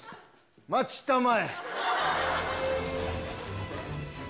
待ちたまえ。